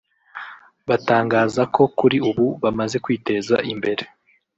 batangaza ko kuri ubu bamaze kwiteza imbere